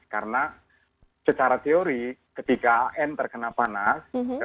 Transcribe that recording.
karena secara teori ketika an terkena panas